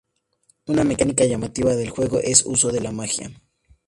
Una mecánica llamativa del juego es el uso de la magia.